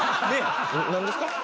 何ですか？